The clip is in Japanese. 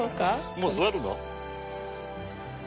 もう座るの？